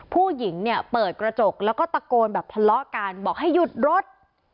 ผู้หญิงเนี่ยเปิดกระจกแล้วก็ตะโกนแบบทะเลาะกันบอกให้หยุดรถ